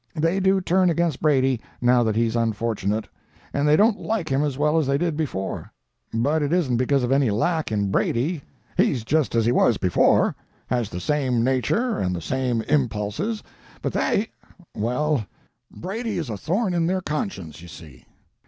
They do turn against Brady, now that he's unfortunate, and they don't like him as well as they did before; but it isn't because of any lack in Brady—he's just as he was before, has the same nature and the same impulses, but they—well, Brady is a thorn in their consciences, you see.